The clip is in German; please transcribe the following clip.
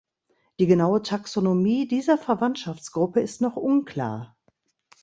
Die genaue Taxonomie dieser Verwandtschaftsgruppe ist noch unklar.